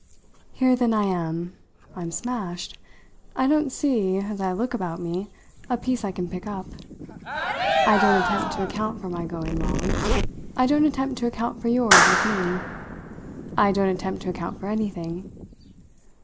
Here then I am. I'm smashed. I don't see, as I look about me, a piece I can pick up. I don't attempt to account for my going wrong; I don't attempt to account for yours with me; I don't attempt to account for anything.